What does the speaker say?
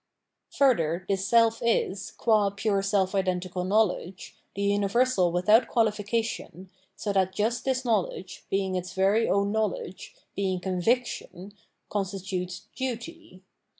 Further, this self is, qm pure self identical knowledge, the universal without qualification, so that just this knowledge, being its very own knowledge, being con viction, constitutes duty.